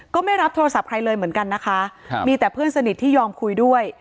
ไม่รับโทรศัพท์ใครเลยเหมือนกันนะคะมีแต่เพื่อนสนิทที่ยอมคุยด้วย